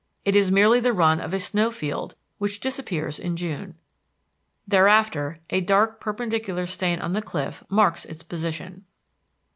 It is merely the run of a snow field which disappears in June. Thereafter a dark perpendicular stain on the cliff marks its position.